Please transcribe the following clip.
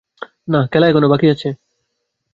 না, খেলা এখনো বাকি আছে।